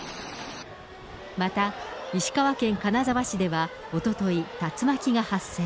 また、石川県金沢市ではおととい、竜巻が発生。